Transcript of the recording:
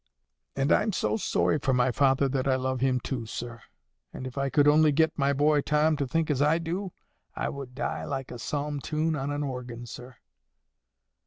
And I'm so sorry for my father that I love him too, sir. And if I could only get my boy Tom to think as I do, I would die like a psalm tune on an organ, sir."